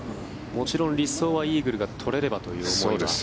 もちろん理想はイーグルが取れればという思いが。